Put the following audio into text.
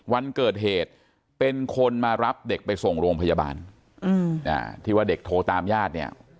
วันเกิดเหตุเป็นคนมารับเด็กไปส่งโรงพยาบาลที่ว่าเด็กโทรตามญาติเนี่ย